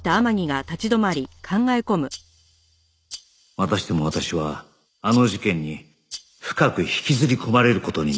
またしても私はあの事件に深く引きずり込まれる事になる